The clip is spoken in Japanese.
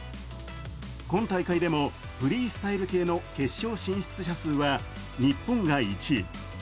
今大会でもフリースタイル系の決勝進出者数は日本が１位。